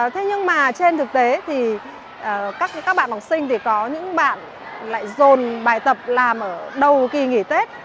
thế nhưng mà trên thực tế thì các bạn học sinh thì có những bạn lại dồn bài tập làm ở đầu kỳ nghỉ tết